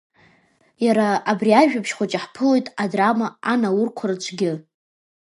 Иара абри ажәабжь хәыҷы ҳԥылоит адрама Анаурқәа рҿгьы.